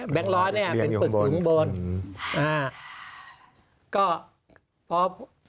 แบงค์ร้อนนี่เป็นปึกอยู่ข้างบน